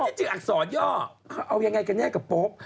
ถ้าที่จึงอักษรย่อเอายังไงกันเนี่ยกับโป๊บ